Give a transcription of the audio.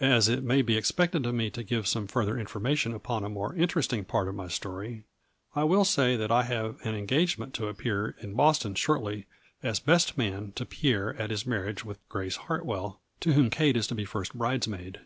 As it may be expected of me to give some further information upon a more interesting part of my story, I will say that I have an en gagement to appear in Boston shortly as best man to Pierre at his marriage with Grace Hart well, to whom Kate is to be first bridesmaid.